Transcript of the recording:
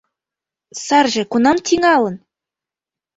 Сарже кунам тӱҥалын?